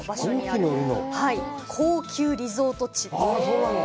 高級リゾート地です。